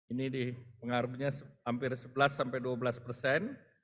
ini dipengaruhinya hampir sebelas dua belas persen